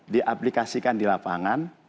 di aplikasikan di lapangan